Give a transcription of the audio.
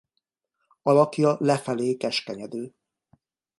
Alakja lefelé keskenyedő.